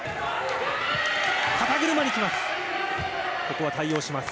肩車にきます。